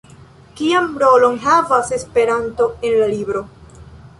Kian rolon havas Esperanto en la libro?